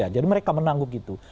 jadi mereka menanggung gitu